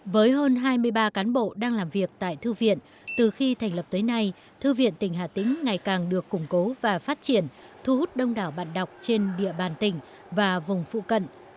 với hơn hai mươi ba cán bộ đang làm việc tại thư viện từ khi thành lập tới nay thư viện tỉnh hà tĩnh ngày càng được củng cố và phát triển thu hút đông đảo bạn đọc trên địa bàn tỉnh và vùng phụ cận